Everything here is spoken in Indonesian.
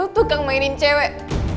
lo tukang mainin cewek